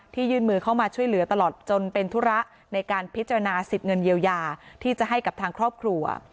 ยื่นมือเข้ามาช่วยเหลือตลอดจนเป็นธุระในการพิจารณาสิทธิ์เงินเยียวยาที่จะให้กับทางครอบครัว